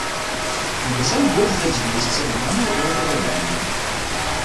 Напісаў больш за дзвесце раманаў і апавяданняў.